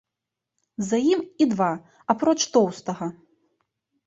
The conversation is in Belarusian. За ім і два, апроч тоўстага.